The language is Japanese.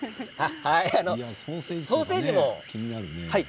ソーセージも。